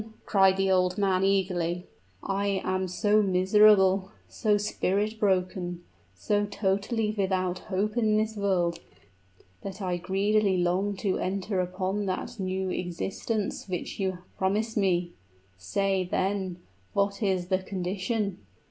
cried the old man, eagerly. "I am so miserable so spirit broken so totally without hope in this world, that I greedily long to enter upon that new existence which you promised me! Say, then, what is the condition?"